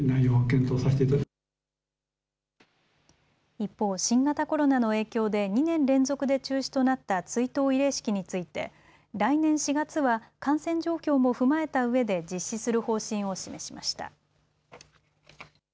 一方、新型コロナの影響で２年連続で中止となった追悼慰霊式について来年４月は感染状況も踏まえたうえで実施する方針を示しました。